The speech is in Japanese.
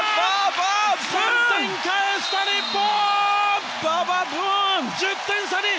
３点返した日本！